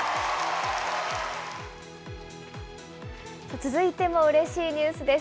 続いてもうれしいニュースです。